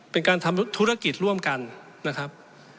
เป็นการทำธุรกิจร่วมกันนะครับ